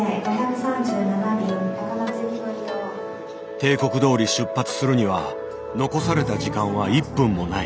定刻どおり出発するには残された時間は１分もない。